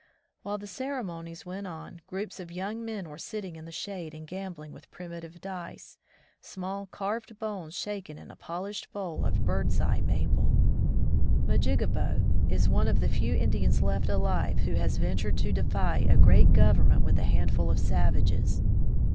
While the ceremonies went on, groups of young men were sitting in the shade and gambling with primitive dice — small carved bones shaken in a polished bowl of bird's eye maple. Majigabo is one of the few Indians left alive who has ventiu^ to defy a great government with a handful of savages.